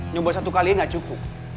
nyoba satu kali gak cukup